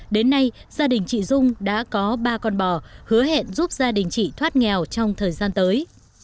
đến nay gia đình chị dung đã có ba con bò hứa hẹn giúp gia đình chị thoát nghèo trong thời gian tới